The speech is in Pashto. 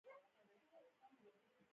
ـ سل دی ونره خو د سلو سر دی مه مره.